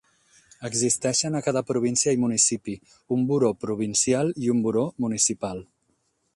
Existeixen a cada província i municipi, un buró provincial i un buró municipal.